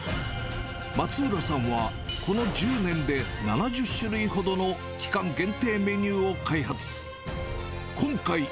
松浦さんは、この１０年で７０種類ほどの期間限定メニューを開発。